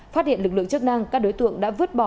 phát hiện lực lượng chức năng các đối tượng đã vứt bỏ